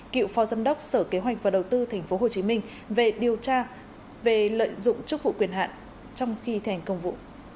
cựu phó giám đốc sở kế hoạch và đầu tư tp hcm về điều tra về lợi dụng chức vụ quyền hạn trong khi thành công vụ